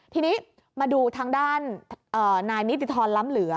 ทีนี้มาดูทางด้านนายนิติธรรมล้ำเหลือ